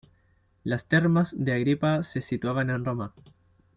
Las termas de agripa se situaban en Roma